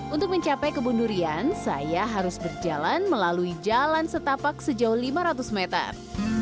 untuk mencapai kebun durian saya harus berjalan melalui jalan setapak sejauh lima ratus meter